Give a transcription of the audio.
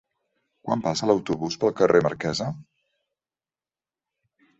Quan passa l'autobús pel carrer Marquesa?